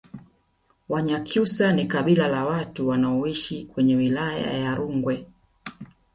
Wanyakyusa ni kabila la watu wanaoishi kwenye wilaya ya Rungwe